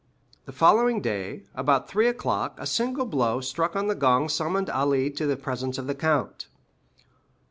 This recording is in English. The following day, about three o'clock, a single blow struck on the gong summoned Ali to the presence of the count.